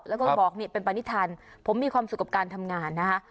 แล้วก็บอกนี่เป็นปณิธานผมมีความสุขกับการทำงานนะคะ